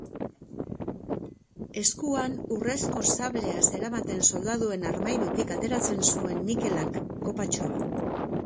Eskuan urrezko sablea zeramaten soldaduen armairutik ateratzen zuen Miquelak kopatxoa.